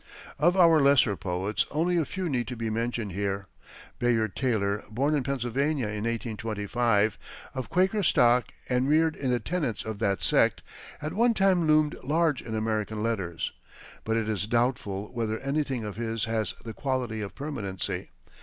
Of our lesser poets, only a few need be mentioned here. Bayard Taylor, born in Pennsylvania in 1825, of Quaker stock and reared in the tenets of that sect, at one time loomed large in American letters, but it is doubtful whether anything of his has the quality of permanency.